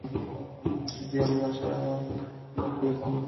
যদি আমি বেশি আশা না করি, তাহলে তুমি কখনোই হতাশ হবে না।